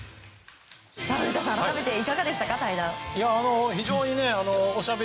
古田さん、改めていかがでしたか？